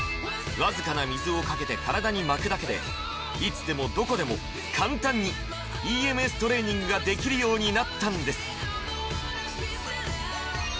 わずかな水をかけて体に巻くだけでいつでもどこでも簡単にＥＭＳトレーニングができるようになったんです